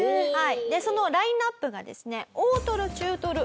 そのラインアップがですね。